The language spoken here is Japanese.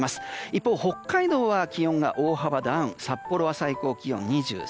一方、北海道は気温が大幅ダウンし札幌は最高気温２３度。